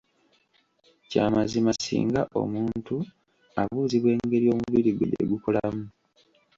Kya mazima singa omuntu abuuzibwa engeri omubiri gwe gyegukolamu.